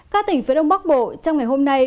các tỉnh phía đông bắc bộ trong ngày hôm nay